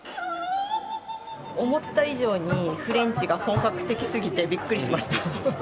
思った以上に、フレンチが本格的過ぎてびっくりしました。